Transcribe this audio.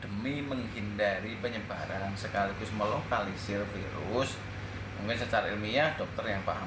demi menghindari penyebaran sekaligus melokalisir virus mungkin secara ilmiah dokter yang paham